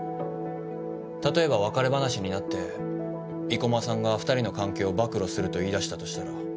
例えば別れ話になって生駒さんが２人の関係を暴露すると言いだしたとしたら。